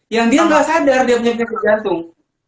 yang dia nggak sadar dia punya penyakit jantung